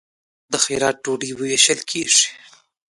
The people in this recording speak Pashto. د خیرات ډوډۍ ویشل کیږي.